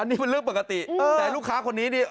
อันนี้มันเลือกปกติเออแต่ลูกค้าคนนี้เนี้ย